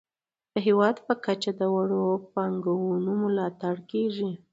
د هیواد په کچه د وړو پانګونو ملاتړ کیږي.